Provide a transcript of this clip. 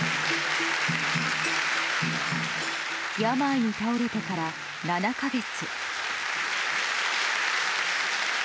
病に倒れてから７か月。